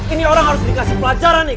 ini orang harus dikasih pelajaran nih